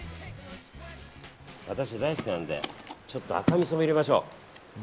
私、大好きなのでちょっと赤みそも入れましょう。